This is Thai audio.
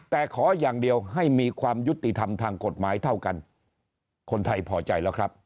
แต่ขออย่างเดียวให้มีความยุติธรรมทางกฎหมายเท่ากันคนไทยพอใจแล้วครับ